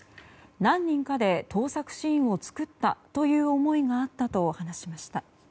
何人かで盗作シーンを作ったという思いがあったと話しました。